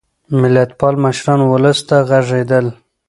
ملتپال مشران ولس ته غږېدل.